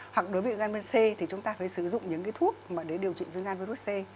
hoặc đối với gan virus c thì chúng ta phải sử dụng những cái thuốc để điều trị với gan virus c